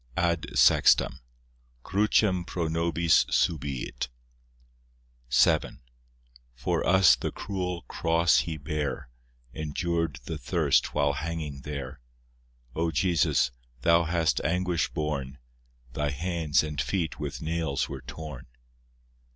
(AD SEXTAM) (Crucem pro nobis subiit) VII For us the cruel cross He bare, Endured the thirst while hanging there— O Jesus! Thou hast anguish borne, Thy hands and feet with nails were torn.